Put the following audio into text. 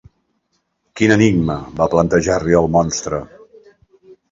Quin enigma va plantejar-li el monstre?